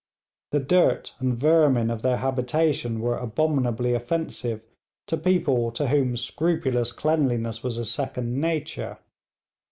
The dirt and vermin of their habitation were abominably offensive to people to whom scrupulous cleanliness was a second nature.